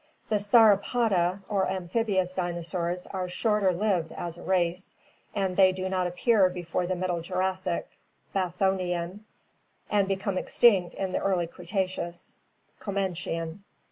The Sauropoda or amphibious dinosaurs are shorter lived as a race, as they do not appear before the Middle Jurassic (Bathonian) and become extinct in the early Cretaceous (Comanchian).